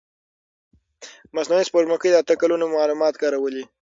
مصنوعي سپوږمکۍ د اته کلونو معلومات کارولي.